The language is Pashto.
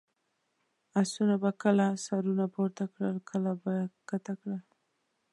اسونو به کله سرونه پورته کړل، کله به یې کښته کړل.